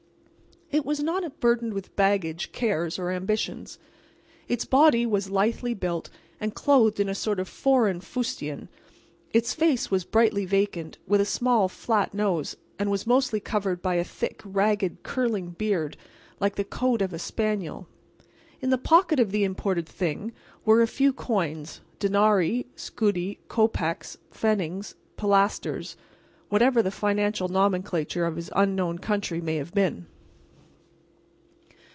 It was not burdened with baggage, cares or ambitions. Its body was lithely built and clothed in a sort of foreign fustian; its face was brightly vacant, with a small, flat nose, and was mostly covered by a thick, ragged, curling beard like the coat of a spaniel. In the pocket of the imported Thing were a few coins—denarii—scudi—kopecks—pfennigs—pilasters—whatever the financial nomenclature of his unknown country may have been.